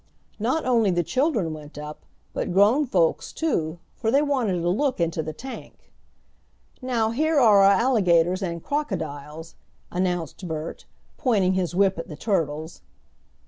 Not only the children went up, but grown folks too, for they wanted a look into the tank. "Now here are our alligators and crocodiles," announced Bert, pointing his whip at the turtles.